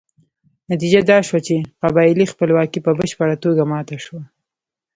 نتیجه دا شوه چې قبایلي خپلواکي په بشپړه توګه ماته شوه.